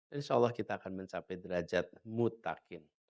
insyaallah kita akan mencapai derajat mutakin